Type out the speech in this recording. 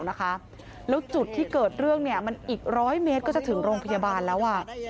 แล้วจุดที่เกิดเรื่องเนี่ยมันอีก๑๐๐เมตรก็จะถึงโรงพยาบาลแล้ว